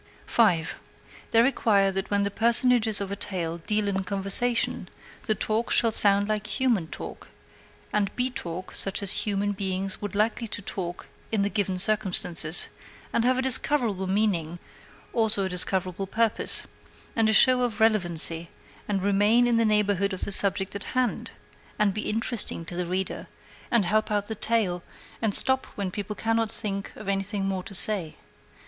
5. They require that when the personages of a tale deal in conversation, the talk shall sound like human talk, and be talk such as human beings would be likely to talk in the given circumstances, and have a discoverable meaning, also a discoverable purpose, and a show of relevancy, and remain in the neighborhood of the subject in hand, and be interesting to the reader, and help out the tale, and stop when the people cannot think of anything more to say.